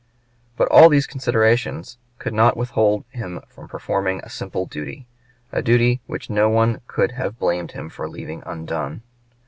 But all these considerations could not withhold him from performing a simple duty a duty which no one could have blamed him for leaving undone.